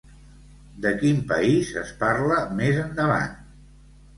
De quin país es parla més endavant?